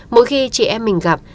mỗi khi chị em mình gặp